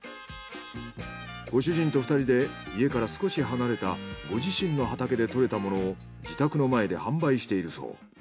ご主人と２人で家から少し離れたご自身の畑でとれたものを自宅の前で販売しているそう。